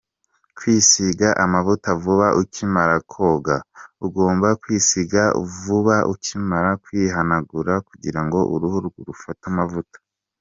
Kwisiga amavuta vuba ukimara koga:ugomba kwisiga vuba ukimara kwihanagura kugirango uruhu rufate amavuta.